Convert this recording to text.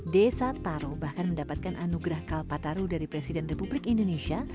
desa taro bahkan mendapatkan anugerah kalpataru dari presiden republik indonesia